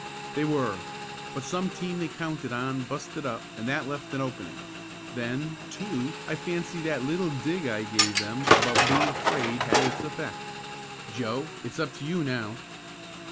"They were, but some team they counted on busted up and that left an opening. Then, too, I fancy that little dig I gave them about being afraid had its effect. Joe, it's up to you now."